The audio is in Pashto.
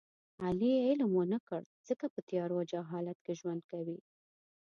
علي علم و نه کړ ځکه په تیارو او جهالت کې ژوند کوي.